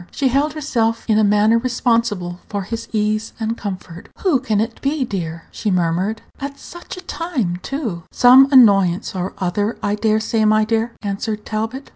She held herself in a manner responsible for his ease and comfort. "Who can it be, dear?" she murmured; "at such a time, too!" Page 150 "Some annoyance or other, I dare say, my dear," answered Talbot.